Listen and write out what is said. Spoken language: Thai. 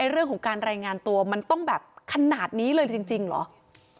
เรื่องของการรายงานตัวมันต้องแบบขนาดนี้เลยจริงเหรอ